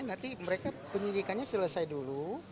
nanti mereka penyidikannya selesai dulu